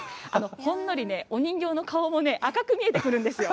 ほんのりね、お人形の顔もね、赤く見えてくるんですよ。